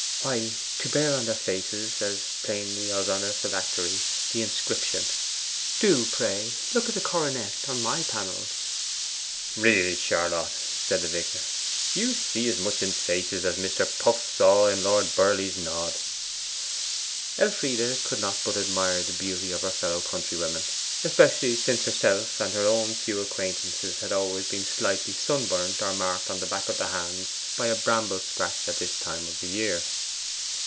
'Why, to bear on their faces, as plainly as on a phylactery, the inscription, "Do, pray, look at the coronet on my panels."' 'Really, Charlotte,' said the vicar, 'you see as much in faces as Mr. Puff saw in Lord Burleigh's nod.' Elfride could not but admire the beauty of her fellow countrywomen, especially since herself and her own few acquaintances had always been slightly sunburnt or marked on the back of the hands by a bramble scratch at this time of the year.